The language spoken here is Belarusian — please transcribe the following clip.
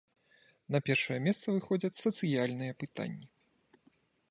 На першае месца выходзяць сацыяльныя пытанні.